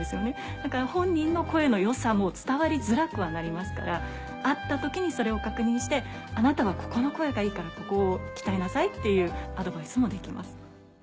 だから本人の声の良さも伝わりづらくはなりますから会った時にそれを確認して「あなたはここの声がいいからここを鍛えなさい」っていうアドバイスもできます。